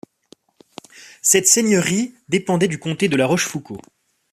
Cette seigneurie dépendait du comté de La Rochefoucauld.